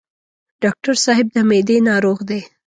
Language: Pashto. ډاکټر صاحب د معدې ناروغ دی.